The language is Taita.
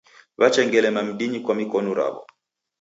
W'achengelema mdinyi kwa mikonu raw'o.